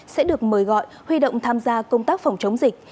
sẽ được mời gọi huy động tham gia công tác phòng chống dịch